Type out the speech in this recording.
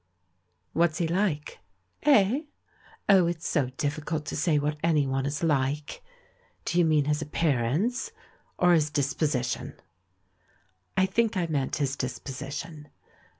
"What's he like?" "Eh? Oh, it's so difficult to say what anyone is like. Do you mean his appearance, or his dis position?" "I think I meant his disposition.